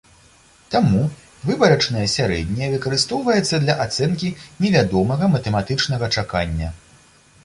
Таму выбарачнае сярэдняе выкарыстоўваецца для ацэнкі невядомага матэматычнага чакання.